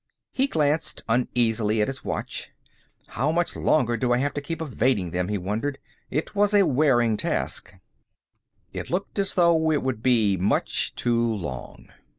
He glanced uneasily at his watch. How much longer do I have to keep evading them? he wondered. It was a wearing task. It looked as though it would be much too long.